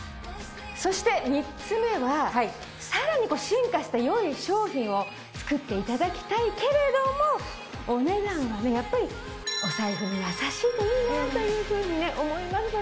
そして３つ目はさらに進化した良い商品を作っていただきたいけれどもお値段はねやっぱりお財布に優しいといいなというふうに思いますので。